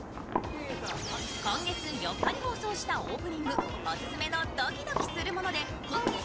今月４日に放送したオープニング、おすすめのドキドキするものでくっきー！